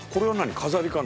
飾りかね？